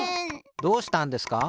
どうしたんですか？